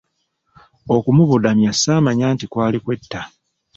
Okumubudamya saamanya nti kwali kwetta.